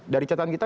dari catatan kita